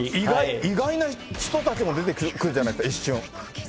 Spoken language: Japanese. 意外な人たちも出てくるじゃないですか、一瞬。